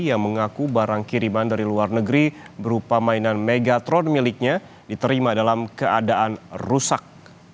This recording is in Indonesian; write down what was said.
yang mengaku barang kiriman dari luar negeri berupa mainan megatron miliknya diterima dalam keadaan rusak